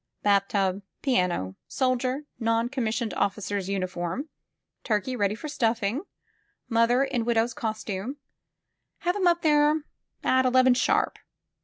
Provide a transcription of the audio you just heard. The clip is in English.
bathtub; piano; soldier, non commissioned oflScer's uniform; turkey, ready for stuflSng; mother, in widow's costume. Have 'em all up there at eleven sharp.